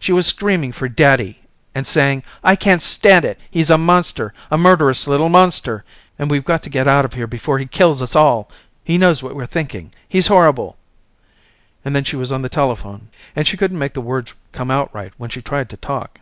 She was screaming for daddy and saying I can't stand it, he's a monster, a murderous little monster and we've got to get out of here before he kills us all, he knows what we're thinking, he's horrible, and then she was on the telephone, and she couldn't make the words come out right when she tried to talk.